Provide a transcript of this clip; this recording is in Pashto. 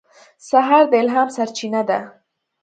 سهار د الهام سرچینه ده.